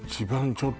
ちょっと